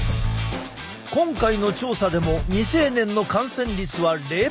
今回の調査でも未成年の感染率は０％。